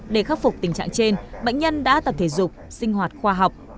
để khắc phục tình trạng trên bệnh nhân đã tập thể dục sinh hoạt khoa học